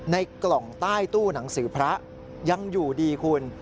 ในกล่องใต้ตู้หนังสือพระยังอยู่ดีคุณ